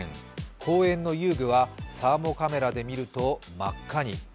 公園の遊具はサーモカメラで見ると真っ赤に。